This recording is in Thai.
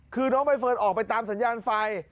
คือน้องใบเฟิร์นออกไปตามสัญญาณไฟ